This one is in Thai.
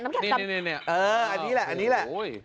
เนี่ยเออนี่แหละ